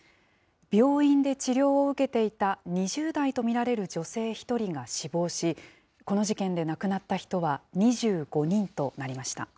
病院で治療を受けていた２０代と見られる女性１人が死亡し、この事件で亡くなった人は２５人となりました。